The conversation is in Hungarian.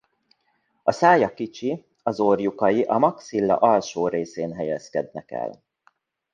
A szája kicsi az orrlyukai a maxilla alsó részén helyezkednek el.